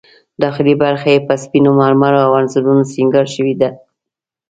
داخلي برخه یې په سپینو مرمرو او انځورونو سینګار شوې ده.